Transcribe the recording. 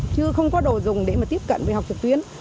chưa có đồ dùng để tiếp cận với học trực tuyến